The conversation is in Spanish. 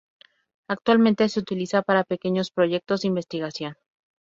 Actualmente se utiliza para pequeños proyectos de investigación.